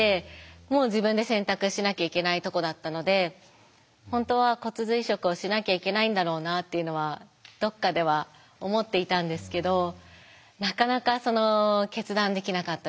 もう自分で選択しなきゃいけないとこだったので本当は骨髄移植をしなきゃいけないんだろうなっていうのはどっかでは思っていたんですけどなかなかその決断できなかったですね。